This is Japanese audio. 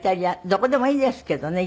どこでもいいですけどね。